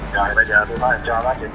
rồi bây giờ tôi phải cho bác chị